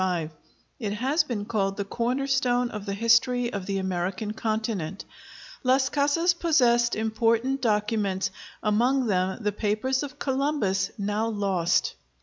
It has been called the corner stone of the history of the American continent. Las Casas possessed important documents, among them the papers of Columbus, now lost.